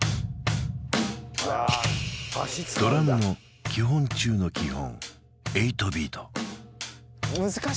ドラムの基本中の基本